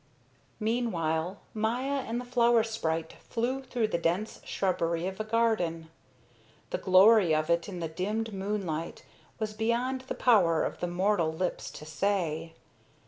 Meanwhile Maya and the flower sprite flew through the dense shrubbery of a garden. The glory of it in the dimmed moonlight was beyond the power of mortal lips to say.